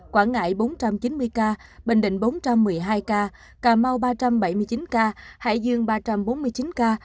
quảng ngãi bốn trăm chín mươi ca bình định bốn trăm một mươi hai ca cà mau ba trăm bảy mươi chín ca hải dương ba trăm bốn mươi chín ca